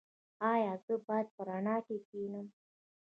ایا زه باید په رڼا کې کینم؟